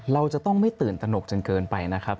เราจะต้องไม่ตื่นตนกจนเกินไปนะครับ